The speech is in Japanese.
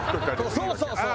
そうそうそう。